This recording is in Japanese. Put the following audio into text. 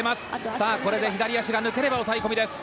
これで左足が抜ければ抑え込みです。